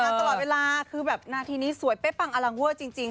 ตลอดเวลาคือแบบนาทีนี้สวยเป๊ะปังอลังเวอร์จริง